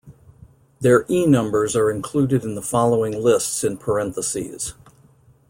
Their E numbers are included in the following lists in parentheses.